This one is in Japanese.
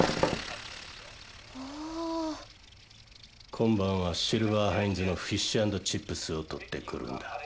今晩はシルバー・ハインズの「フィッシュアンドチップス」を取ってくるんだ。